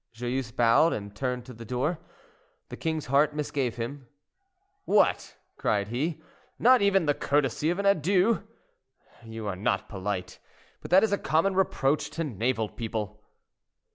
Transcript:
Joyeuse bowed and turned to the door. The king's heart misgave him. "What!" cried he, "not even the courtesy of an adieu? You are not polite, but that is a common reproach to naval people."